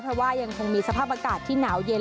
เพราะว่ายังคงมีสภาพอากาศที่หนาวเย็น